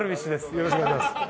よろしくお願いします。